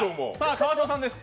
川島さんです。